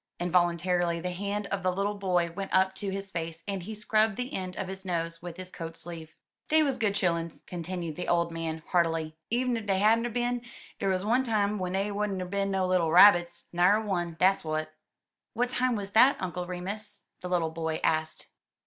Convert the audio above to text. Involuntarily the hand of the little boy went up to his face, and he scrubbed the end of his nose with his coat sleeve. "Dey wuz good chilluns," continued the old man heartily, "en ef dey hadn't er bin, der wuz one time w'en dey wouldn't er bin no little rabbits — na'er one. Dat's w'at." "What time was that. Uncle Remus?" the little boy asked.